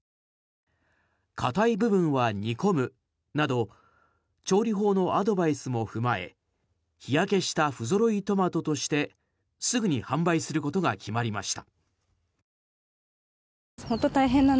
固い部分は煮込むなど調理法のアドバイスも踏まえ日焼けした不揃いトマトとしてすぐに販売することが決まりました。